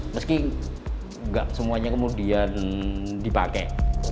meski tidak semuanya kemudian dipakai